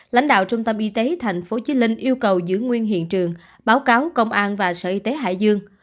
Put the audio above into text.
lãnh đạo trung tâm y tế tp hcm yêu cầu giữ nguyên hiện trường báo cáo công an và sở y tế hải dương